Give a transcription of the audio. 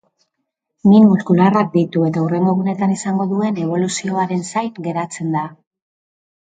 Min muskularrak ditu, eta hurrengo egunetan izango duen eboluzioaren zain geratzen da.